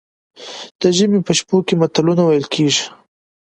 د ژمي په شپو کې متلونه ویل کیږي.